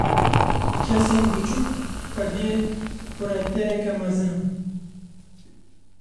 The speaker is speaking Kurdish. Kesên biçûk, xwediyê quretiyeke mezin in.